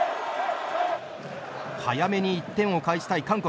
早めに１点を返したい韓国。